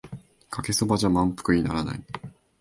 かけそばじゃ満腹にならない